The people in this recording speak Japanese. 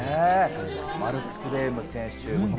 マルクス・レーム選手。